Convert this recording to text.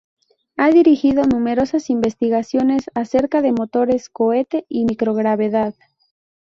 Ha dirigido numerosas investigaciones acerca de motores cohete y microgravedad.